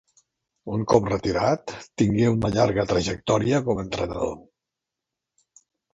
Un cop retirat tingué una llarga trajectòria com a entrenador.